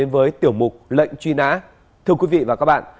với tiểu mục lệnh truy nã thưa quý vị và các bạn